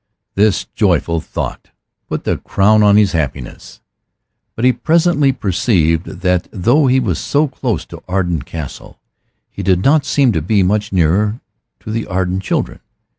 This joyful thought put the crown on his happiness. But he presently perceived that though he was so close to Arden Castle he did not seem to be much nearer to the Arden children.